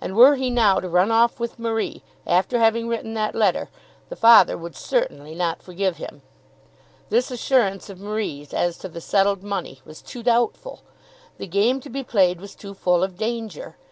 And, were he now to run off with Marie, after having written that letter, the father would certainly not forgive him. This assurance of Marie's as to the settled money was too doubtful! The game to be played was too full of danger!